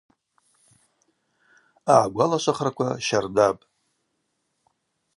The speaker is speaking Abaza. Агӏагвалашвахраква щардапӏ.